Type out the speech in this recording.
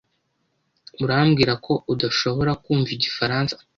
Urambwira ko udashobora kumva igifaransa?